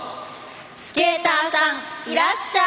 「スケーターさんいらっしゃい」。